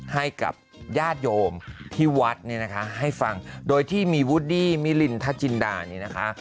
ให้กับญาติโยมที่วัดเนี่ยนะคะให้ฟังโดยที่มีวูดดี้มิลินทจินดาเนี่ยนะคะ